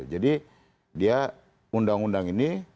jadi dia undang undang ini